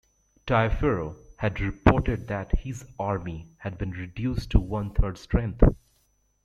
Taiaferro had reported that his army had been reduced to one-third strength.